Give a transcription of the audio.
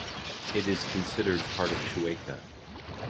It is considered part of Chueca.